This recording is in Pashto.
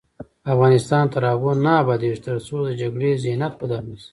افغانستان تر هغو نه ابادیږي، ترڅو د جګړې ذهنیت بدل نه شي.